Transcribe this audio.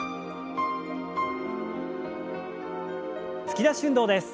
突き出し運動です。